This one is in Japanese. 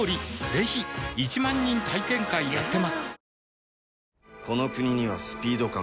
ぜひ１万人体験会やってますはぁ。